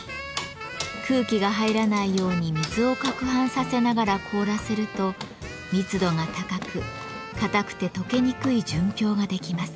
空気が入らないように水を攪拌させながら凍らせると密度が高くかたくてとけにくい純氷ができます。